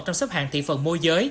trong sấp hạng thị phần mua giới